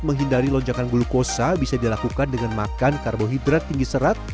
menghindari lonjakan glukosa bisa dilakukan dengan makan karbohidrat tinggi serat